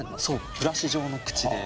ブラシ状の口で。